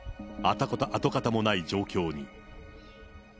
跡形もない状況に。